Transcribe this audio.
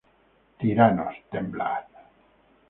¡Tiranos, temblad!